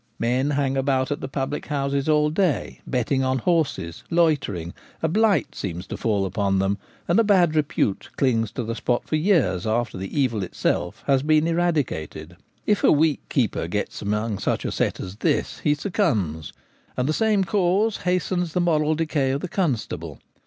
Men hang about at the public houses all day, betting on horses, loitering ; a blight seems to fall upon them, and a bad repute clings to the spot for years after the evil itself has been eradicated. If a weak keeper gets among such a set as this he succumbs; and the same cause hastens the moral decay of the constable.